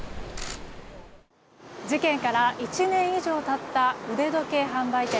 事件が１年以上経った腕時計販売店。